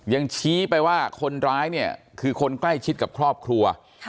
ยังชี้ไปว่าคนร้ายเนี่ยคือคนใกล้ชิดกับครอบครัว